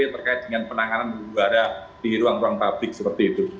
terkait dengan penanganan udara di ruang ruang publik seperti itu